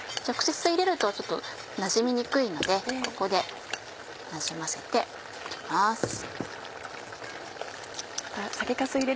直接入れるとちょっとなじみにくいのでここでなじませて行きます。